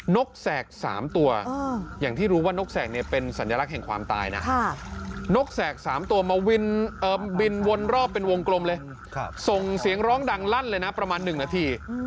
นกแสก๓ตัวอย่างที่รู้ว่านกแสกเนี่ยเป็นสัญลักษณ์แห่งความตายนะนกแสก๓ตัวมาบินวนรอบเป็นวงกลมเลยส่งเสียงร้องดังลั่นเลยนะประมาณ๑นาที